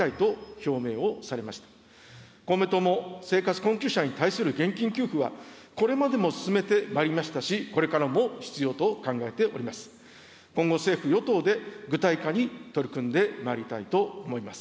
公明党も生活困窮者に対する現金給付はこれまでも進めてまいりましたし、これからも必要と考えております。